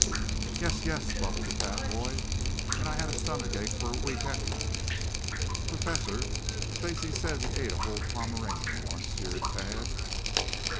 "Yes, yes," bubbled the fat boy. "And I had a stomach ache for a week afterwards." "Professor, Stacy says he ate a whole Pomeranian once," jeered Tad.